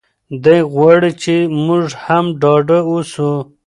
دی غواړي چې موږ هم ډاډه اوسو.